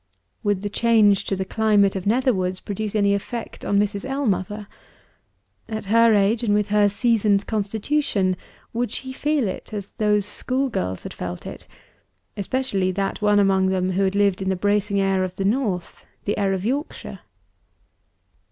Would the change to the climate of Netherwoods produce any effect on Mrs. Ellmother? At her age, and with her seasoned constitution, would she feel it as those school girls had felt it especially that one among them, who lived in the bracing air of the North, the air of Yorkshire?